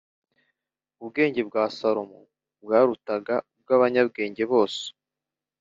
Ubwenge bwa Salomo bwarutaga ubw’abanyabwenge bose